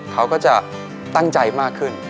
เขาก็จะตั้งใจมากขึ้น